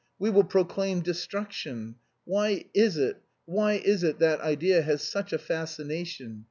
We will proclaim destruction.... Why is it, why is it that idea has such a fascination.